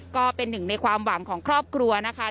ก็เป็นหนึ่งในความหวังของครอบครัวนะคะ